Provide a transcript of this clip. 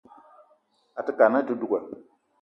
Àte kad na àte duga